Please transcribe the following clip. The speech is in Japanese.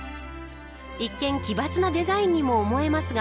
一見奇抜なデザインにも思えますが。